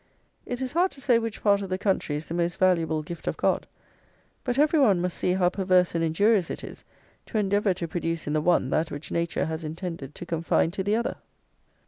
It is hard to say which part of the country is the most valuable gift of God; but every one must see how perverse and injurious it is to endeavour to produce in the one that which nature has intended to confine to the other.